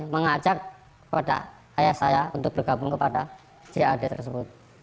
mengajak kepada ayah saya untuk bergabung kepada jad tersebut